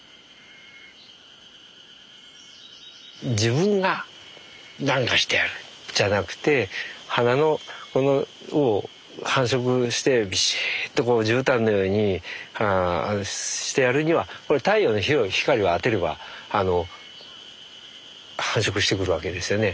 自分が何かしてやるじゃなくて花のこの繁殖してびしっとこうじゅうたんのようにしてやるには太陽の日を光を当てれば繁殖してくるわけですよね。